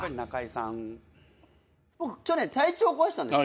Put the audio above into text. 僕去年体調壊したんですよ。